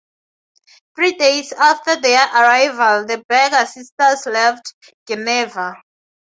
Three days after their arrival, the Beeger sisters left Geneva.